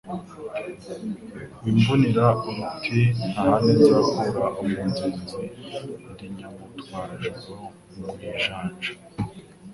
Wimvunira uruti nta handi nzakura umunzenzi; ndi Nyamutwarajoro mu ijanja